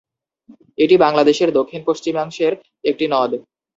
এটি বাংলাদেশের দক্ষিণ পশ্চিমাংশের একটি নদ।